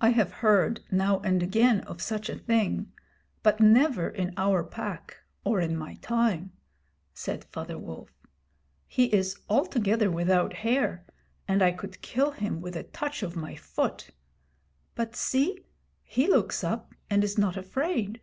'I have heard now and again of such a thing, but never in our Pack or in my time,' said Father Wolf. 'He is altogether without hair, and I could kill him with a touch of my foot. But see, he looks up and is not afraid.'